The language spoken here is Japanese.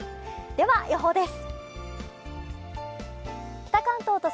では、予報です。